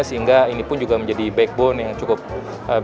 sehingga ini pun juga menjadi backbone yang cukup besar